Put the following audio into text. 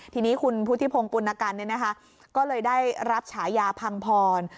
ทีนี้คุณพุทธิพงศ์ปุณกันก็เลยได้รับฉายาพังพร